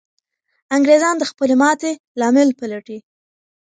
انګریزان د خپلې ماتې لامل پلټي.